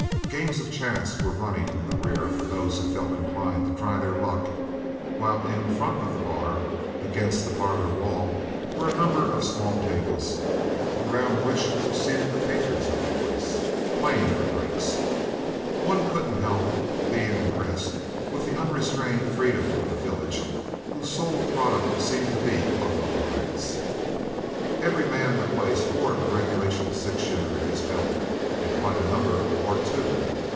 Games of chance were running in the rear for those who felt inclined to try their luck, while in front of the bar, against the farther wall, were a number of small tables, around which were seated the patrons of the place, playing for the drinks. One couldn't help being impressed with the unrestrained freedom of the village, whose sole product seemed to be buffalo hides. Every man in the place wore the regulation six shooter in his belt, and quite a number wore two.